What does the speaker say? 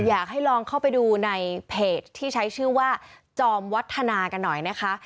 อยากให้ลองเข้าไปดูในเพจที่ใช้ชื่อว่าจอมวัฒนากันหน่อยนะคะ